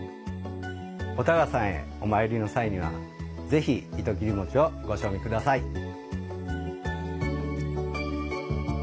お多賀さんへお参りの際には、ぜひ糸切餅をご賞味ください。